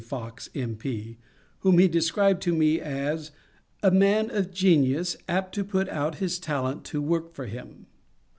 Fox, M. P., whom he described to me as " a man of genius apt to put out his talent to work for him."